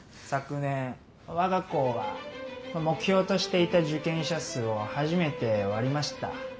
昨年我が校は目標としていた受験者数を初めて割りました。